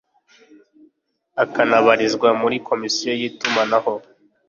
akanabarizwa muri Komisiyo y’itumanaho